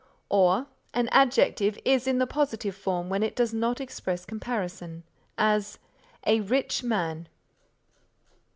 or An adjective is in the positive form when it does not express comparison; as, "A rich man."